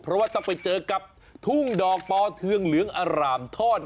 เพราะว่าต้องไปเจอกับทุ่งดอกปอเทืองเหลืองอร่ามทอด